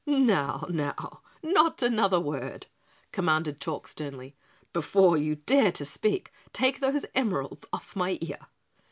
"Now, now, not another word," commanded Chalk sternly. "Before you dare to speak, take those emeralds off my ear."